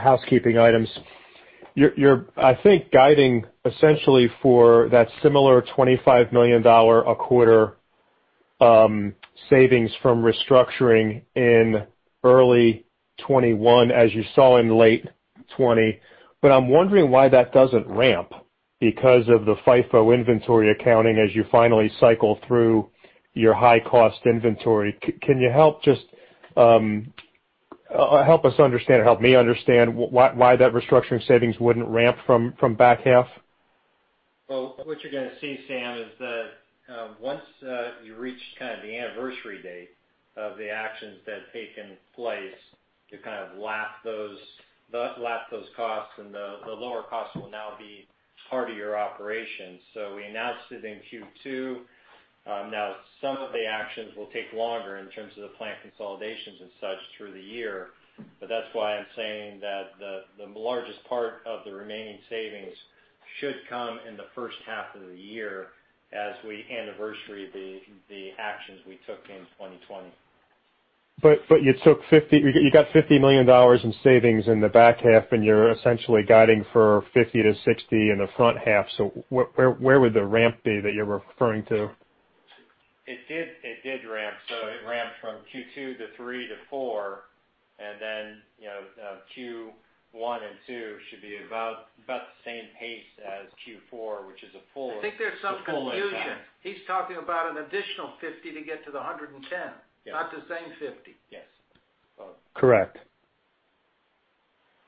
housekeeping items. You're guiding essentially for that similar $25 million a quarter savings from restructuring in early 2021, as you saw in late 2020. I'm wondering why that doesn't ramp because of the FIFO inventory accounting as you finally cycle through your high cost inventory. Can you help us understand or help me understand why that restructuring savings wouldn't ramp from back half? Well, what you're going to see, Sam, is that once you reach kind of the anniversary date of the actions that taken place to kind of lap those costs, and the lower costs will now be part of your operation. We announced it in Q2. Some of the actions will take longer in terms of the plant consolidations and such through the year. That's why I'm saying that the largest part of the remaining savings should come in the first half of the year as we anniversary the actions we took in 2020. You got $50 million in savings in the back half, and you're essentially guiding for $50 million-$60 million in the front half. Where would the ramp be that you're referring to? It did ramp. It ramped from Q2 to three to four, then Q1 and two should be about the same pace as Q4, which is a full- I think there's some confusion. He's talking about an additional $50 million to get to the $110 million. Yeah. Not the same $50 million. Yes. Correct.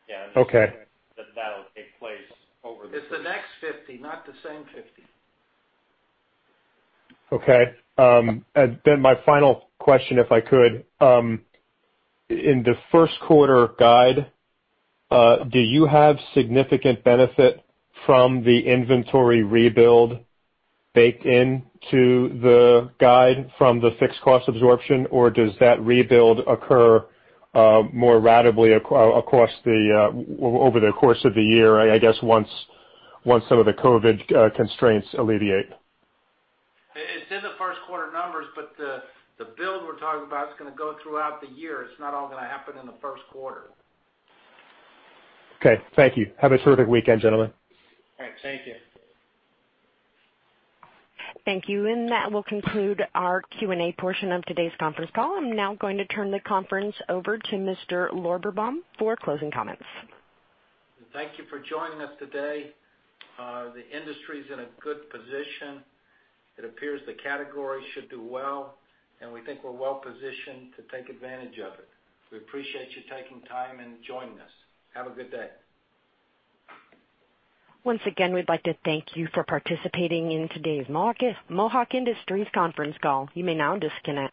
Yeah. Okay. But that'll take place over the- It's the next $50 million, not the same $50 million. Okay. My final question, if I could. In the first quarter guide, do you have significant benefit from the inventory rebuild baked into the guide from the fixed cost absorption? Does that rebuild occur more ratably over the course of the year, I guess once some of the COVID constraints alleviate? It's in the first quarter numbers, but the build we're talking about is going to go throughout the year. It's not all going to happen in the first quarter. Okay. Thank you. Have a terrific weekend, gentlemen. All right. Thank you. Thank you. That will conclude our Q&A portion of today's conference call. I am now going to turn the conference over to Mr. Lorberbaum for closing comments. Thank you for joining us today. The industry's in a good position. It appears the category should do well, and we think we're well positioned to take advantage of it. We appreciate you taking time and joining us. Have a good day. Once again, we'd like to thank you for participating in today's Mohawk Industries conference call. You may now disconnect.